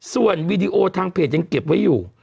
ส่วนวีดีโอทางเพจยังเก็บไว้อยู่